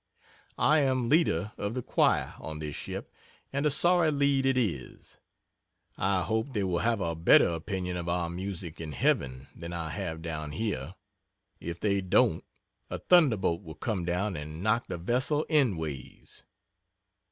I am leader of the choir on this ship, and a sorry lead it is. I hope they will have a better opinion of our music in Heaven than I have down here. If they don't a thunderbolt will come down and knock the vessel endways.